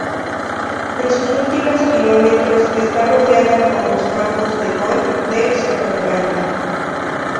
En sus últimos kilómetros está rodeada por los campos de golf de Sotogrande.